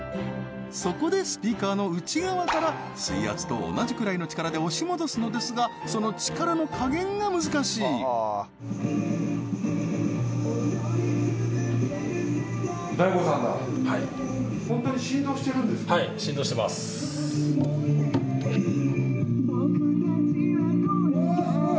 そこでスピーカーの内側から水圧と同じくらいの力で押し戻すのですがその力の加減が難しいはいうわすごい！